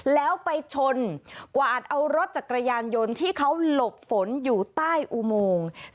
แล้วไปชนกวาดเอารถจักรยานยนต์ที่เขาหลบฝนอยู่ใต้อุโมง